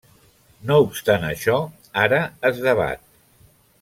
No obstant això, ara es debat.